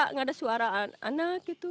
nggak ada suara anak gitu